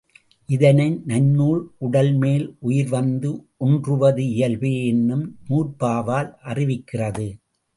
இதனை நன்னூல் உடல்மேல் உயிர்வந்து ஒன்றுவது இயல்பே என்னும் நூற்பாவால் அறிவிக்கிறது.